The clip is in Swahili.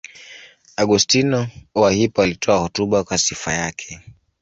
Augustino wa Hippo alitoa hotuba kwa sifa yake.